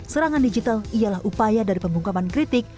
serangan digital ialah upaya dari pembungkaman kritik